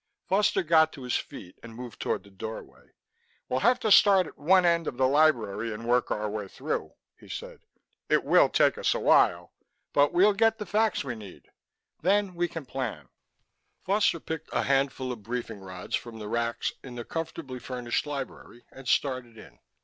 Foster got to his feet and moved toward the doorway. "We'll have to start at one end of the library and work our way through," he said. "It will take us a while, but we'll get the facts we need. Then we can plan." Foster picked a handful of briefing rods from the racks in the comfortably furnished library and started in.